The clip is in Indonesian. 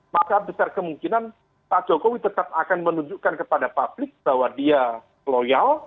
maka besar kemungkinan pak jokowi tetap akan menunjukkan kepada publik bahwa dia loyal